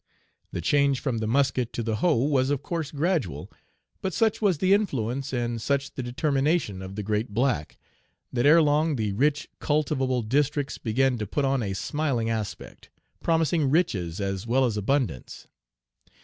The change from the musket to the hoe was of course gradual; but such was the influence and such the determination of the great black, that erelong the rich cultivable districts began to put on a smiling aspect, promising riches as well as abundance.